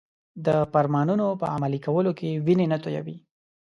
د فرمانونو په عملي کولو کې وینې نه تویوي.